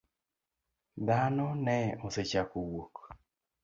Dhano ne osechako wuok.